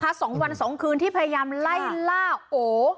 สองวันสองคืนที่พยายามไล่ล่าโอ